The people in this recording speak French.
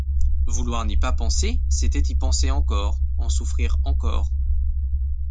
Vouloir n’y pas penser, c’était y penser encore, en souffrir encore.